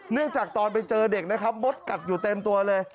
เนื่องจากตอนไปเจอเด็กนะครับมดกัดอยู่เต็มตัวเลย